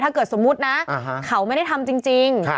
ถ้าเกิดสมมุตินะเค้าไม่ได้ทำจริง